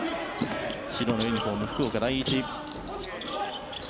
白のユニホーム、福岡第一。